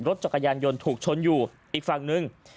รถจักรยานยนต์ถูกชนอยู่อีกฝั่งหนึ่ง